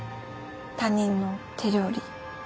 他人の手料理。